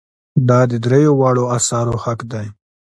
دا د دریو واړو آثارو حق دی.